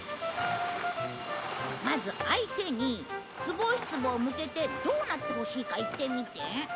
まず相手にツボ押し壺を向けてどうなってほしいか言ってみて。